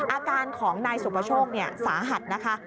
อาการของนายสุประโชคสาหัสนะคะ